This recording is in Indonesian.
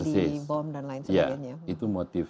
di bom dan lain sebagainya itu motif